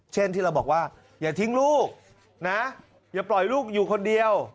เช่นที่เราบอกว่าอย่าทิ้งลูกนะอย่าปล่อยลูกอยู่คนเดียว